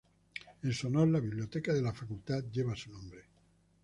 En su honor, la biblioteca de la facultad lleva su nombre.